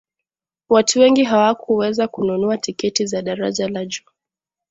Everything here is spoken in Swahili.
watu wengi hawakuweza kununua tiketi za daraja la juu